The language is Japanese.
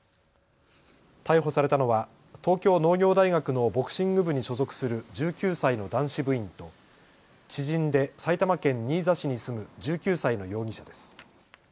逮捕されたのは東京農業大学のボクシング部に所属する１９歳の男子部員と知人で埼玉県新座市に住む１９歳の容疑者です。